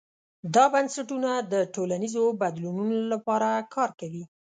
دا بنسټونه د ټولنیزو بدلونونو لپاره کار کوي.